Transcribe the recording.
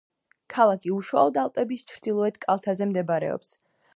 ქალაქი უშუალოდ ალპების ჩრდილოეთ კალთაზე მდებარეობს.